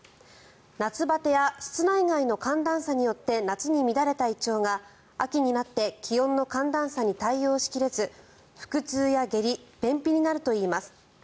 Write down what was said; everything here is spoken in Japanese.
夏バテや室内外の寒暖差によって夏に乱れた胃腸が秋になって気温の寒暖差に対応しきれず腹痛や下痢、便秘になるといいます。